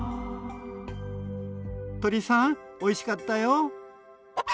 鶏さんおいしかったよ。